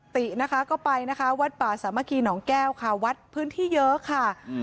ติ้ก็ไปวัดป่าสมาธิหนองแก้ววัดพื้นที่เยอะค่ะ